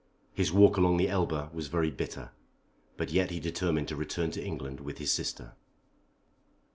His walk along the Elbe was very bitter, but yet he determined to return to England with his sister.